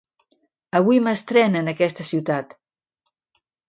Avui m'estrén en aquesta ciutat.